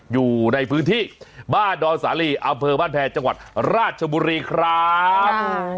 อยู่ในพื้นที่บ้านดอนสาลีอำเภอบ้านแพรจังหวัดราชบุรีครับ